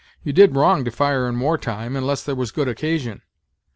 You did wrong to fire in war time, unless there was good occasion.